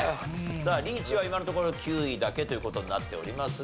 さあリーチは今のところ９位だけという事になっておりますが。